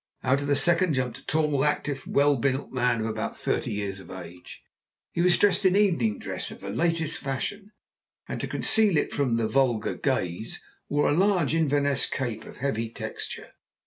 Out of the second jumped a tall, active, well built man of about thirty years of age. He was dressed in evening dress of the latest fashion, and to conceal it from the vulgar gaze, wore a large Inverness cape of heavy texture.